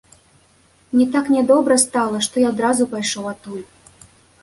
Мне так нядобра стала, што я адразу пайшоў адтуль.